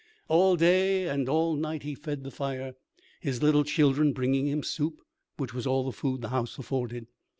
All day and all night, he fed the fire, his little children bringing him soup, which was all the food the house afforded.